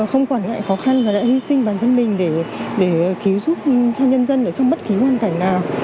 không còn lại khó khăn và đã hy sinh bản thân mình để cứu giúp cho nhân dân ở trong bất kỳ quan cảnh nào